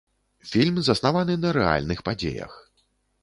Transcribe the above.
Фільм заснаваны на рэальных падзеях.